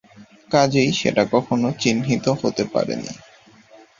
কাজেই সেটা কখনো চিহ্নিত হতে পারে নি।